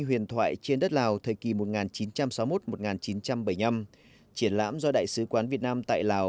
huyền thoại trên đất lào thời kỳ một nghìn chín trăm sáu mươi một một nghìn chín trăm bảy mươi năm triển lãm do đại sứ quán việt nam tại lào